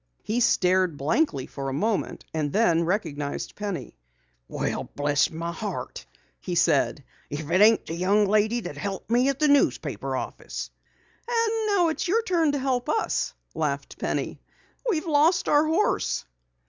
He stared blankly for a moment and then recognized Penny. "Well, bless my heart," he said. "If it ain't the young lady that helped me at the newspaper office!" "And now it's your turn to help us," laughed Penny. "We've lost our horse."